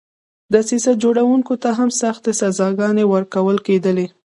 دسیسه جوړوونکو ته هم سختې سزاګانې ورکول کېدلې.